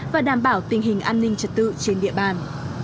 và đảm bảo tình hình an ninh trật tự trên địa bàn